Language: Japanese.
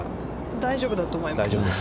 大丈夫だと思います。